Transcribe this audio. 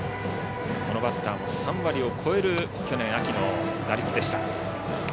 このバッターも３割を超える去年秋の打率でした。